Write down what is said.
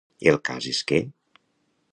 El cas és que.